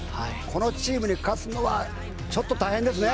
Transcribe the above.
このチームに勝つのはちょっと大変ですね。